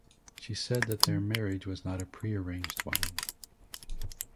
She said that their marriage was not a pre-arranged one.